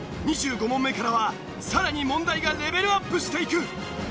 ２５問目からはさらに問題がレベルアップしていく！